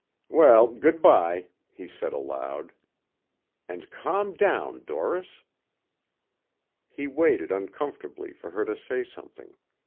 "Well, good bye," he said aloud. "And calm down, Doris." He waited uncomfortably for her to say something.